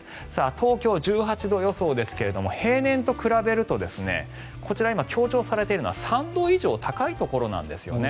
東京、１８度予想ですが平年と比べるとこちら、強調されているのは３度以上高いところなんですよね。